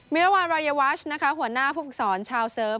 มิรวารรอยวาชหัวหน้าผู้ฝึกซ้อนชาวเซิร์ฟ